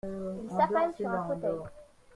Il s’affale sur un fauteuil.